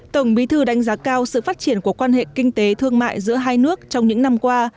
tổng bí thư đánh giá cao sự phát triển của quan hệ kinh tế thương mại giữa hai nước trong những năm qua